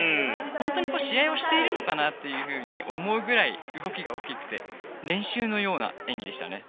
本当に試合をしているのかなと思うぐらい動きが大きくて練習のような演技でしたね。